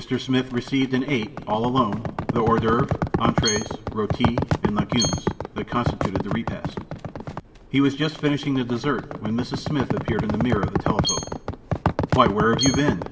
Smith received and ate, all alone, the hors d'oeuvre, entr├®es, r├┤ti, and legumes that constituted the repast. He was just finishing the dessert when Mrs. Smith appeared in the mirror of the telephote. "Why, where have you been?"